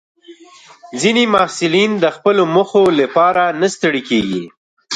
ځینې محصلین د خپلو موخو لپاره نه ستړي کېږي.